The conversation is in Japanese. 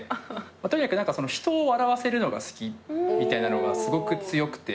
とにかく人を笑わせるのが好きみたいなのがすごく強くて。